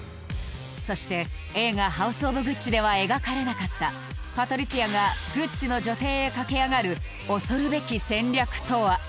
そして映画「ハウス・オブ・グッチ」では描かれなかったパトリツィアがグッチの女帝へ駆け上がる恐るべき戦略とは？